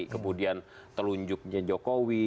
kemudian telunjuknya jokowi